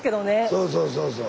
そうそうそうそう。